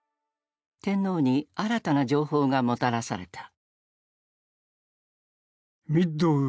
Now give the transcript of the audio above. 天皇に新たな情報がもたらされた。